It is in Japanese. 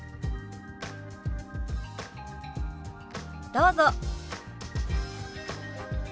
どうぞ。